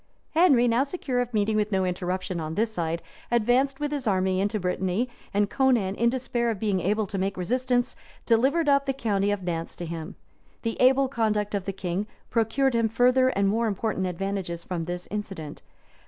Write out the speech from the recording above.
Henry, now secure of meeting with no interruption on this side, advanced with his army into Brittany; and Conan, in despair of being able to make resistance, delivered up the county of Nantz to him. The able conduct of the king procured him further and more important advantages from this incident.